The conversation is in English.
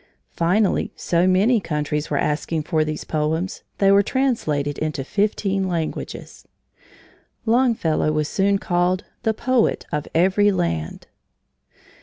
Finally so many countries were asking for these poems they were translated into fifteen languages. Longfellow was soon called "The Poet of Every Land."